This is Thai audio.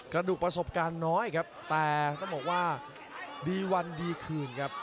กระดูกประสบการณ์น้อยครับแต่ต้องบอกว่าดีวันดีคืนครับ